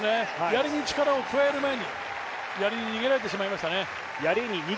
やりに力を加える前にやりに逃げられてしまいましたね。